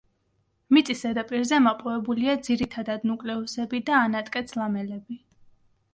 მიწის ზედაპირზე მოპოვებულია ძირითადად ნუკლეუსები და ანატკეც-ლამელები.